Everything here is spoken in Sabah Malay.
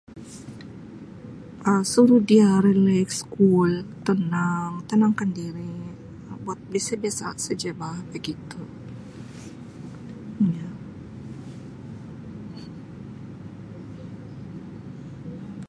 Um Suruh dia relax, cool, tenang, tenang kan diri Um buat biasa-biasa saja bah begitu. Ya.